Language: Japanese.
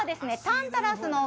タンタラス